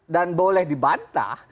dan boleh dibantah